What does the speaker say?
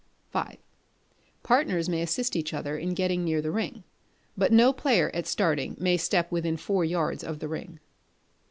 v. Partners may assist each other in getting near the ring; but no player, at starting, may step within four yards of the ring.